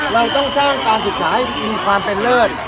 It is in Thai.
เราต้องสร้างการศึกษาให้มีความเป็นเลิศ